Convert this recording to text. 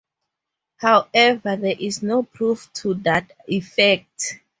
However, there is no proof to that effect.